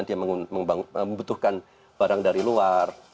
dia membutuhkan barang dari luar